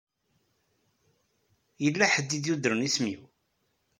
Yella ḥedd i d-yuddren isem-iw?